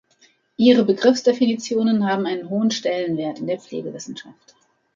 Ihre Begriffsdefinitionen haben einen hohen Stellenwert in der Pflegewissenschaft.